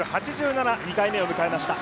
５ｍ８７、２回目を迎えました。